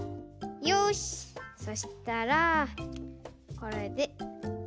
よしそしたらこれで。